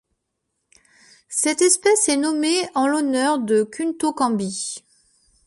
Cette espèce est nommée en l'honneur de Khunthokhanbi.